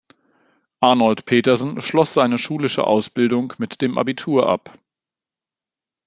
Arnold Petersen schloss seine schulische Ausbildung mit dem Abitur ab.